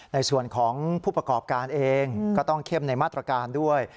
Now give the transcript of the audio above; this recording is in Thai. ในส่วนของผู้ประกอบการเองก็ต้องเข้มในมาตรการด้วย